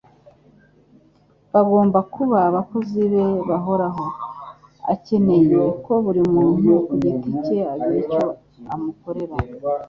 Bagomba kuba abakozi be bahoraho. Akeneye ko buri muntu ku giti cye agira icyo amukorera